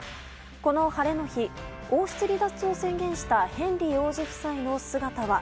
この晴れの日王室離脱を宣言したヘンリー王子夫妻の姿は。